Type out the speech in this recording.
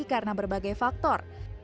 karena berbagai faktor